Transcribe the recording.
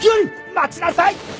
待ちなさい！